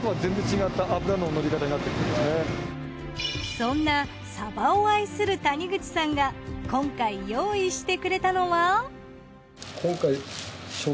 そんなサバを愛する谷口さんが今回用意してくれたのは。